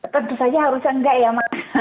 tentu saja harusnya enggak ya mas